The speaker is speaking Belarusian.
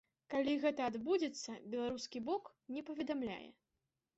Калі гэта адбудзецца, беларускі бок не паведамляе.